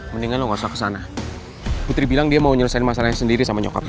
mendingan lo gak usah kesana putri bilang dia mau nyelesaikan masalahnya sendiri sama nyokap